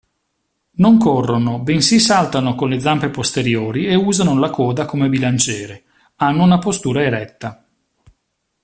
Non corrono bensì saltano con le zampe posteriori e usano la coda come bilanciere hanno una postura eretta.